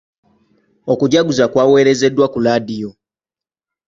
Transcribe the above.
Okujaguza kwaweerezeddwa ku laadiyo.